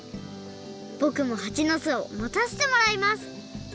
ぼくもはちの巣をもたせてもらいます